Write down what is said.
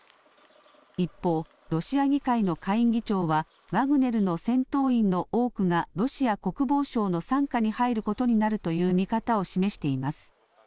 一方、ロシア議会の下院議長はワグネルの戦闘員の多くがロシア国防省の傘下に入ることになるという見方を示しています。